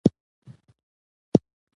ده دې خبرې ته اشاره وکړه.